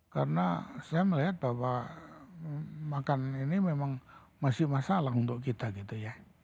karena saya melihat bahwa makan ini memang masih masalah untuk kita gitu ya